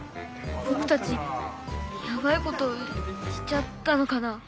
ぼくたちヤバいことしちゃったのかな。